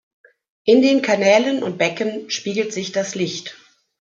In den Kanälen und Becken spiegelt sich das Licht.